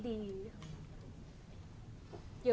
เรื่องดี